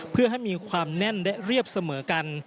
เพื่อให้มีความแน่นและเรียบเสมอกัน